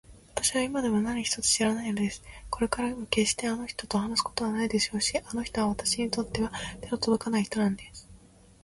わたしは今でも何一つ知らないのです。これからもけっしてあの人と話すことはないでしょうし、あの人はわたしにとっては手のとどかない人なんです。